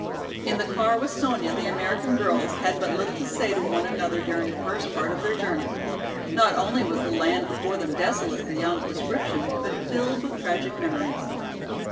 In the car with Sonya the American girls had but little to say to one another during the first part of their journey. Not only was the land before them desolate beyond description, but filled with tragic memories.